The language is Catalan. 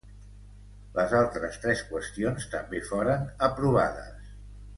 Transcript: Les altres tres qüestions també foren aprovades.